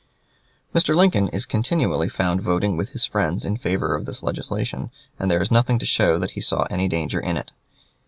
Mr. Lincoln is continually found voting with his friends in favor of this legislation, and there is nothing to show that he saw any danger in it.